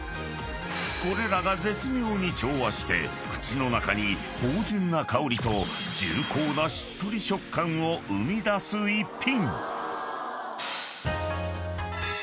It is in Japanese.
［これらが絶妙に調和して口の中に芳醇な香りと重厚なしっとり食感を生み出す一品］